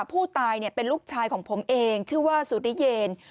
ผู้ตายเป็นลูกชายของผมเองชื่อว่าสุริเยน